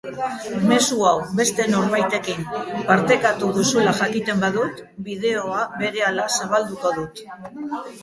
Mezu hau beste norbaitekin partekatu duzula jakiten badut, bideoa berehala zabalduko dut.